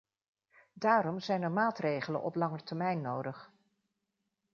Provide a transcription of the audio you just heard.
Daarom zijn er maatregelen op langer termijn nodig.